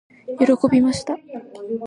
喜びました。